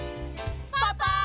パパ！